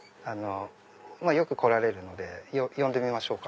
よく来られるので呼んでみましょうか？